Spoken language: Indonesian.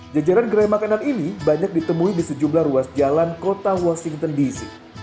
jajaran gerai makanan ini banyak ditemui di sejumlah ruas jalan kota washington dc